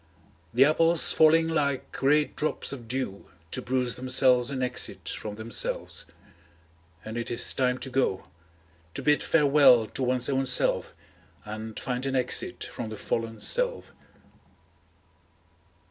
The apples falling like great drops of dew to bruise themselves an exit from themselves. And it is time to go, to bid farewell to one's own self, and find an exit from the fallen self.